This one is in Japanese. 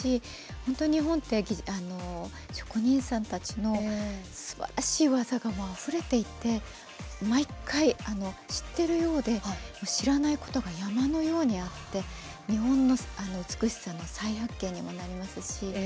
本当に日本って、職人さんたちのすばらしい技があふれていて毎回、知ってるようで知らないことが山のようにあって日本の美しさの再発見にもなりますし。